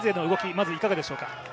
まずいかがでしょうか？